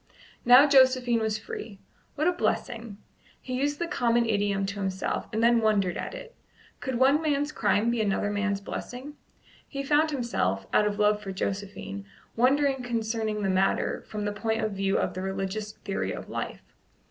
Now Josephine was free. "What a blessing!" He used the common idiom to himself, and then wondered at it. Could one man's crime be another man's blessing? He found himself, out of love for Josephine, wondering concerning the matter from the point of view of the religious theory of life.